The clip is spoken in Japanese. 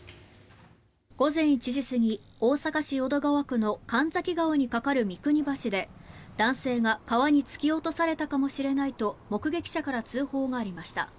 午前１時過ぎ大阪市淀川区の神崎川に架かる三国橋で男性が川に突き落とされたかもしれないと目撃者から通報がありました。